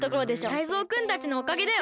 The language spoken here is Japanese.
タイゾウくんたちのおかげだよ。